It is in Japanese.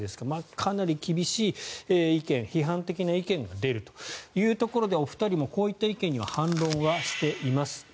かなり厳しい意見批判的な意見が出るというところでお二人もこういった意見には反論しています。